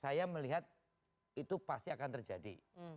saya melihat itu pasti akan terjadi